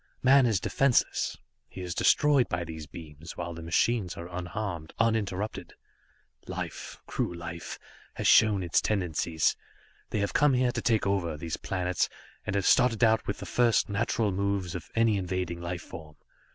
Man is defenseless, he is destroyed by these beams, while the machines are unharmed, uninterrupted. Life cruel life has shown its tendencies. They have come here to take over these planets, and have started out with the first, natural moves of any invading life form.